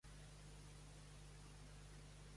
"Enter" ha estat classificat com a metal gòtic/doom.